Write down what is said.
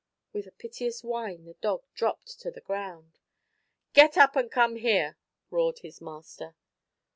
With a piteous whine the dog dropped to the ground. "Get up and come here!" roared his master.